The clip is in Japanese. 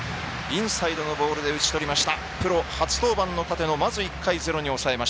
インサイドのボールで打ち取りました。